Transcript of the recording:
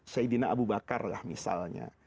sayyidina abu bakar lah misalnya